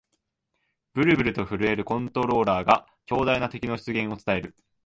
ブルブルと震えるコントローラーが、強大な敵の出現を伝える